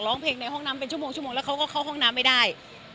ร้องเพลงในห้องน้ำเป็นชั่วโมงชั่วโมงแล้วเขาก็เข้าห้องน้ำไม่ได้